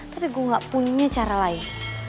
tapi gue gak punya cara lain